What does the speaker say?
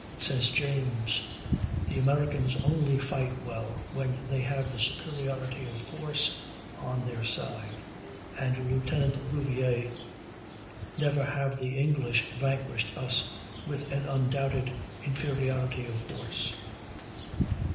Says James: "The Americans only fight well when they have the superiority of force on their side"; and Lieutenant Rouvier: "Never have the English vanquished us with an undoubted inferiority of force."